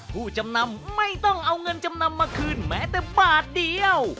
ผู้จำนำไม่ต้องเอาเงินจำนำมาคืนแม้แต่บาทเดียว